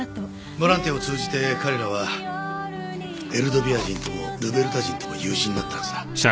ボランティアを通じて彼らはエルドビア人ともルベルタ人とも友人になったはずだ。